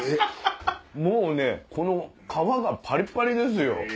もうね皮がパリパリですよ。